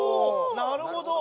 なるほど。